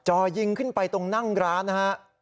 จ่อยิงขึ้นไปตรงนั่งร้านนะฮะ